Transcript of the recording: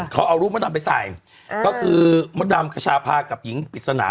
เขาเอารูปมดดำไปใส่ก็คือมดดำขชาพากับหญิงปริศนา